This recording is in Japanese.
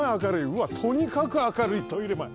うわっとにかく明るいトイレまえ。